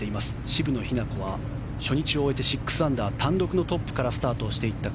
渋野日向子は初日を終えて６アンダー単独のトップからスタートをしていった